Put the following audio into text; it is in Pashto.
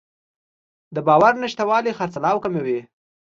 د باور نشتوالی خرڅلاو کموي.